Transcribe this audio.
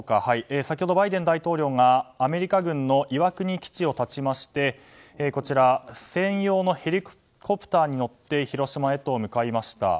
先ほどバイデン大統領がアメリカ軍の岩国基地を発ちまして専用のヘリコプターに乗って広島へと向かいました。